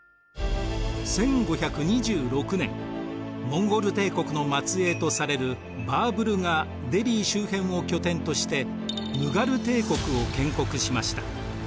モンゴル帝国の末えいとされるバーブルがデリー周辺を拠点としてムガル帝国を建国しました。